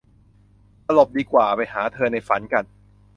สลบดีกว่า ไปหาเธอในฝันกัน